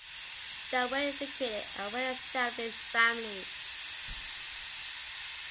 They are well educated and well established families.